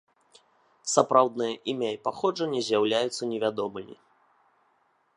Сапраўднае імя і паходжанне з'яўляюцца невядомымі.